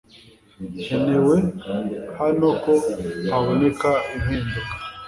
Nkenewe hano ko haboneka impinduka